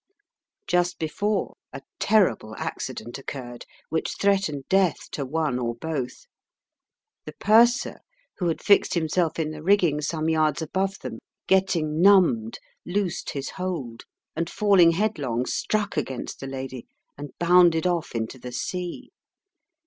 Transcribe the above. Just before a terrible accident occurred, which threatened death to one or both. The purser, who had fixed himself in the rigging some yards above them, getting numbed, loosed his hold, and falling headlong struck against the lady and bounded off into the sea.